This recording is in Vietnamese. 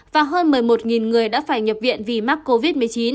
và hơn một mươi một người đã phải nhập viện vì mắc covid một mươi chín